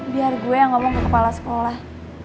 biar gue yang ngomong ke kepala sekolah